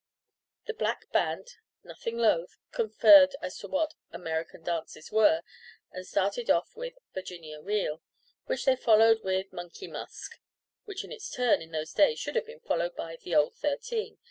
The black band, nothing loath, conferred as to what "American dances" were, and started off with "Virginia Reel," which they followed with "Money Musk," which, in its turn in those days, should have been followed by "The Old Thirteen."